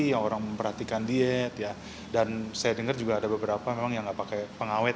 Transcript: yang orang memperhatikan diet ya dan saya dengar juga ada beberapa memang yang nggak pakai pengawet